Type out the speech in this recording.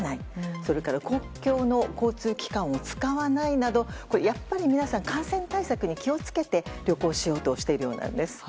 それから公共の交通機関を使わないなどやっぱり皆さん感染対策に気を付けて旅行しようとしているようなんです。